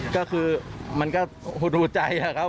ก็คือมันก็หดหูใจอะครับ